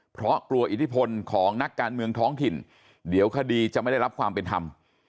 เพราะกลัวอิทธิพลของนักการเมืองท้องถิ่นเดี๋ยวคดีจะไม่ได้รับความเป็นธรรม